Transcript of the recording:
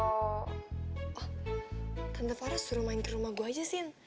oh tante fares suruh main ke rumah gue aja sih